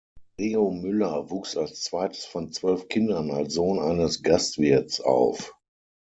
Leo Müller wuchs als zweites von zwölf Kindern als Sohn eines Gastwirts auf.